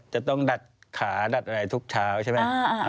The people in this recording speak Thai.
จะต้องดัดขาดัดอะไรทุกเช้าใช่ไหม